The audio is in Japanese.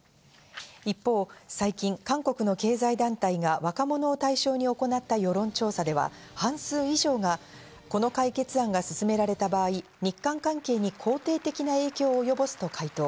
一方最近、韓国の経済団体が若者を対象に行った世論調査では半数以上がこの解決案が進められた場合、日韓関係に肯定的な影響を及ぼすと回答。